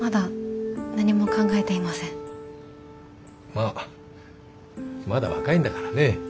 まあまだ若いんだからね